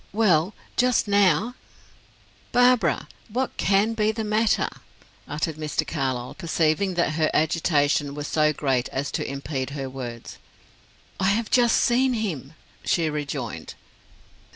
Well just now " "Barbara, what can be the matter?" uttered Mr. Carlyle, perceiving that her agitation was so great as to impede her words. "I have just seen him!" she rejoined.